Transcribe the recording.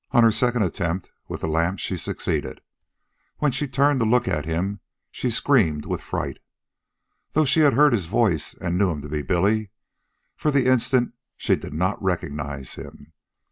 On her second attempt with the lamp she succeeded. When she turned to look at him she screamed with fright. Though she had heard his voice and knew him to be Billy, for the instant she did not recognize him.